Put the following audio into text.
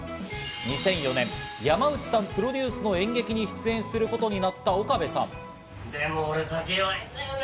２００４年、山内さんプロデュースの演劇に出演することになった岡部さん。